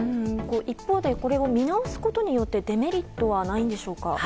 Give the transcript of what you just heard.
一方でこれを見直すことによってデメリットはないんでしょうか？